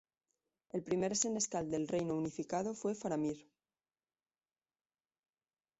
El primer Senescal del Reino Unificado fue Faramir.